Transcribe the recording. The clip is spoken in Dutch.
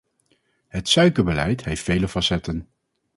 Het suikerbeleid heeft vele facetten.